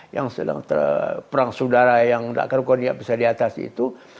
yang sedang terperang saudara yang tidak akan berpikir bisa diatas itu